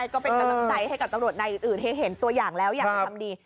ก็เป็นกำลังใจให้กับตำรวจนายอื่นให้เห็นตัวอย่างแล้วอยากจะทำดี